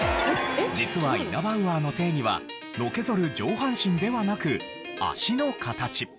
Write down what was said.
実はイナバウアーの定義はのけぞる上半身ではなく脚の形。